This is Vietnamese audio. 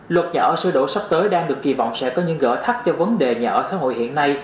luật nhà ở sơ đổ sắp tới đang được kỳ vọng sẽ có những gỡ thắt cho vấn đề nhà ở xã hội hiện nay